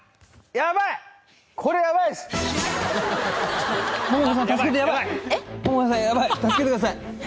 やばい助けてください！